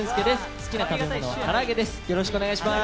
好きな食べ物はから揚げです。